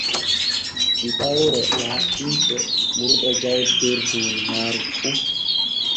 Ɗiɗawre laatinte ɓurɗo jawdi der duuniyaaru fu.